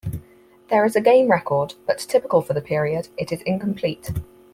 There is a game record, but typical for the period, it is incomplete.